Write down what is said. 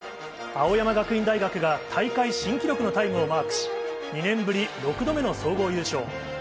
われ、青山学院大学が大会新記録のタイムをマークし、２年ぶり６度目の総合優勝。